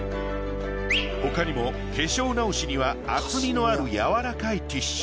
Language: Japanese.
他にも化粧直しには厚みのある柔らかいティッシュ。